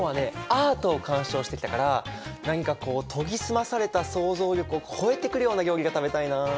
アートを鑑賞してきたから何かこう研ぎ澄まされた想像力を超えてくるような料理が食べたいなあ。